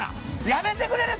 やめてくれる？